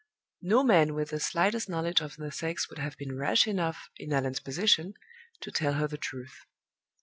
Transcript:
No man with the slightest knowledge of the sex would have been rash enough, in Allan's position, to tell her the truth.